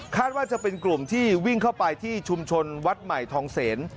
ว่าจะเป็นกลุ่มที่วิ่งเข้าไปที่ชุมชนวัดใหม่ทองเสน